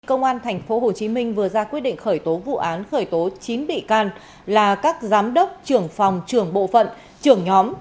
công an tp hcm vừa ra quyết định khởi tố vụ án khởi tố chín bị can là các giám đốc trưởng phòng trưởng bộ phận trưởng nhóm